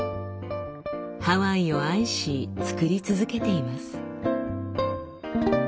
ハワイを愛し作り続けています。